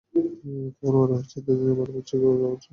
তোমার মনে হচ্ছে এতদিনে আমার মারপিট শিখে যাওয়া উচিত ছিল।